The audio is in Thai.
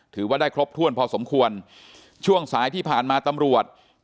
ถือว่าได้ครบถ้วนพอสมควรช่วงสายที่ผ่านมาตำรวจ